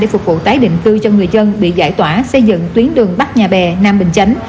phục vụ tái định cư cho người dân bị giải tỏa xây dựng tuyến đường bắc nhà bè nam bình chánh